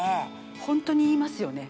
本当に言いますよね。